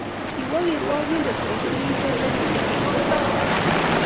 kiwo kirwakindet ko ser kito ne kiyaaka eng' kapolis